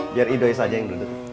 biar edoy saja yang duduk